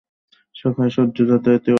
সকালে সূর্য যথারীতি উদিত হয়।